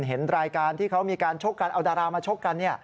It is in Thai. เห็นรายการที่เขามีการชกกันเอาดารามาชกกัน